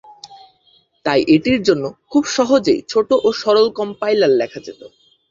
তাই এটির জন্য খুব সহজেই ছোট ও সরল কম্পাইলার লেখা যেত।